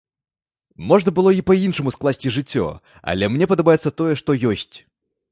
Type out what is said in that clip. Можна было і па-іншаму скласці жыццё, але мне падабаецца тое, што ёсць.